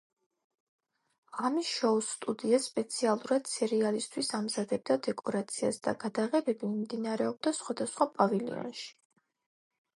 ღამის შოუს სტუდია სპეციალურად სერიალისთვის ამზადებდა დეკორაციას და გადაღებები მიმდინარეობდა სხვადასხვა პავილიონში.